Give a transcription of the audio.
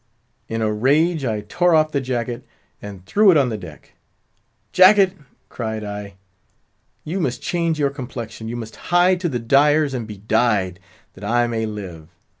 In a rage I tore off the jacket, and threw it on the deck. "Jacket," cried I, "you must change your complexion! you must hie to the dyers and be dyed, that I may live.